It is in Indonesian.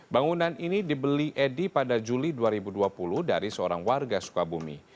bangunan ini dibeli edi pada juli dua ribu dua puluh dari seorang warga sukabumi